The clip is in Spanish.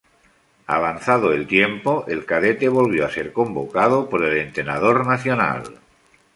Avanzado el tiempo, el cadete volvió a ser convocado por el entrenador nacional.